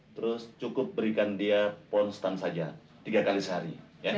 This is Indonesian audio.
terus cukup berikan dia ponstan saja tiga kali sehari